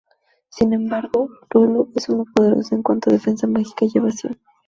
Sin embargo, Lulu es muy poderosa en cuanto a defensa mágica y evasión.